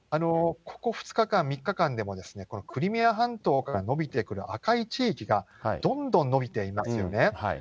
ここ２日間、３日間でも、クリミア半島から延びてくる赤い地域がどんどん延びていますよね。